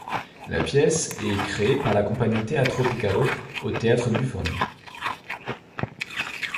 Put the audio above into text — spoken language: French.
La pièce est créée par la compagnie Teatro Picaro au Théâtre Buffon.